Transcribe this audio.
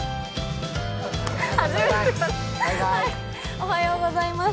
おはようございます！